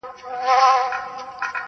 ووایه رویباره پیغامونو ته به څه وایو-